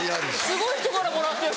すごい人からもらってる。